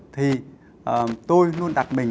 thì tôi luôn đặt mình